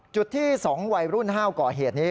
จุดที่๒วัยรุ่นห้าวก่อเหตุนี้